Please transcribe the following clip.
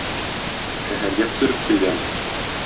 Шәһәргә цирк килгән.